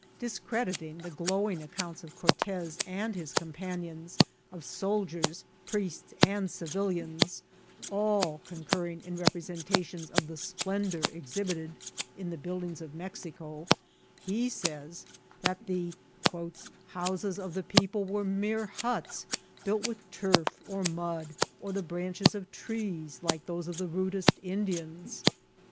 '' Discrediting the glow ing accounts of Cortez and his companions, of soldiers, priests, and civilians, all concurring in representations of the splendour exhibited in the buildings of Mexico, he says that the ^^ houses of the people were mere huts, built with turf, or mud, or the branches of trees, like those of the rudest Indians."